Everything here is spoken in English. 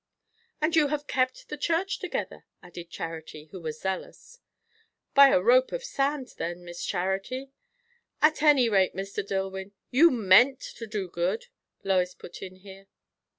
"And you have kept the church together," added Charity, who was zealous. "By a rope of sand, then, Miss Charity." "At any rate, Mr. Dillwyn, you meant to do good," Lois put in here.